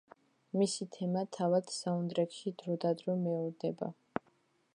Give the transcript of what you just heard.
მისი თემა თავად საუნდტრეკში დროდადრო მეორდება.